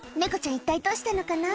一体どうしたのかな？